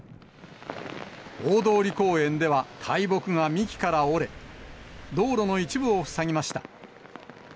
大通公園では、大木が幹から折れ、道路の一部を塞ぎました。